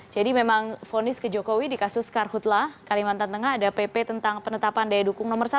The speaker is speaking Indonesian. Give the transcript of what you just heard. jadi memang fonis ke jokowi di kasus karhutlah kalimantan tengah ada pp tentang penetapan daya dukung nomor satu sudah